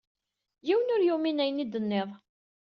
Yiwen ur yumin ayen i d-tenniḍ.